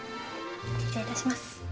失礼いたします。